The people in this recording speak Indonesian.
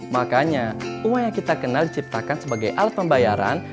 makanya uang yang kita kenal diciptakan sebagai alat pembayaran